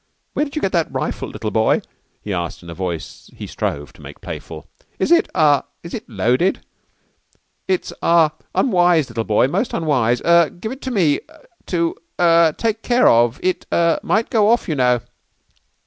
"Where did you get that rifle, little boy?" he asked in a voice he strove to make playful. "Is it ah is it loaded? It's ah unwise, little boy. Most unwise. Er give it to me to er take care of. It er might go off, you know."